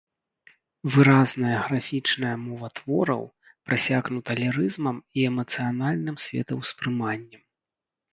Выразная графічная мова твораў прасякнута лірызмам і эмацыянальным светаўспрыманнем.